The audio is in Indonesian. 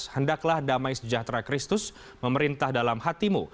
hendaklah damai sejahtera kristus memerintah dalam hatimu